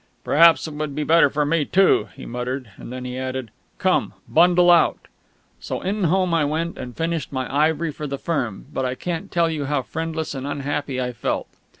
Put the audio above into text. "Perhaps it would be better for me too," he muttered; and then he added, "Come, bundle out!" So in home I went, and finished my ivory for the firm; but I can't tell you how friendless and unhappy I felt.